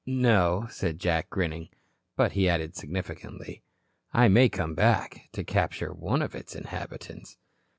"No," said Jack, grinning. "But," he added, significantly, "I may come back to capture one of its inhabitants."